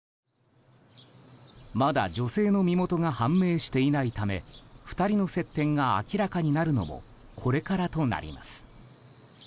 まだ女性の身元が判明していないため２人の接点が明らかになるのもこれからとなります。